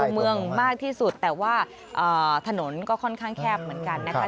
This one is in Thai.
เมืองมากที่สุดแต่ว่าถนนก็ค่อนข้างแคบเหมือนกันนะคะ